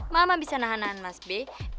mama bisa nahan nahan mas besurutnya